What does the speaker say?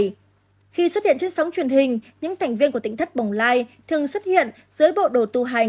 khi xuất hiện trên sóng truyền hình những thành viên của tỉnh thất bồng lai thường xuất hiện dưới bộ đồ tu hành